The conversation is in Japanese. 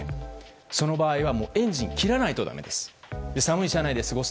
その場合はエンジンを切らないとだめです。